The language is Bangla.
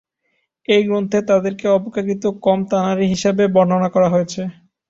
এ গ্রন্থে তাদেরকে অপেক্ষাকৃত কম তানারী হিসেবে বর্ণনা করা হয়েছে।